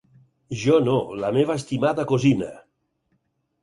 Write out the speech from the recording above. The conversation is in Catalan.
Jo no, la meva estimada cosina!